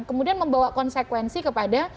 kemudian membawa konsekuensi kepada